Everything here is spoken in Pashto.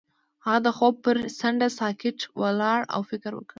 هغه د خوب پر څنډه ساکت ولاړ او فکر وکړ.